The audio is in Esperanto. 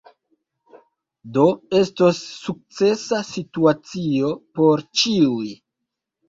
Do estos sukcesa situacio por ĉiuj.